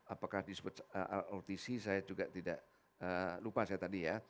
apakah disebut lrtc saya juga tidak lupa saya tadi ya